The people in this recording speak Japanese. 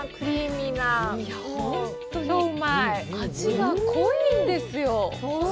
味が濃いんですよ。